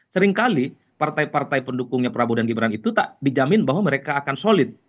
seringkali partai partai pendukungnya prabowo dan gibran itu tak dijamin bahwa mereka akan solid